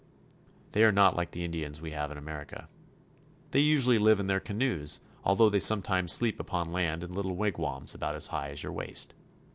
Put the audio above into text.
They are not like the Indians we have in America. They usually live in their canoes, although they sometimes sleep upon land in little wigwams about as high as your waist.